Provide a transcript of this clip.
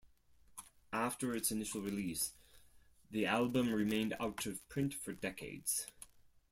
After its initial release, the album remained out of print for decades.